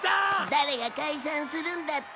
誰が解散するんだって？